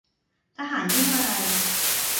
ทหารยุ่งอะไร